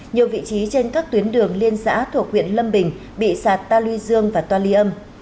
nhiều vị trí trên các tuyến đường liên xã thuộc huyện lâm bình bị sạt ta lưu dương và toa ly âm